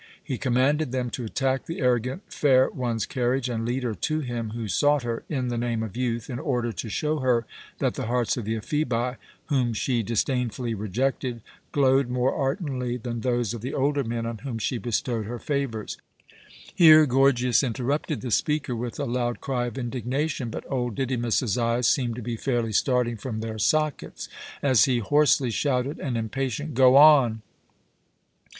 He commanded them to attack the arrogant fair one's carriage and lead her to him who sought her in the name of youth, in order to show her that the hearts of the Ephebi, whom she disdainfully rejected, glowed more ardently than those of the older men on whom she bestowed her favours. Here Gorgias interrupted the speaker with a loud cry of indignation, but old Didymus's eyes seemed to be fairly starting from their sockets as he hoarsely shouted an impatient "Go on!"